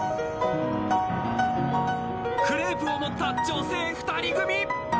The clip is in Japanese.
クレープを持った女性２人組。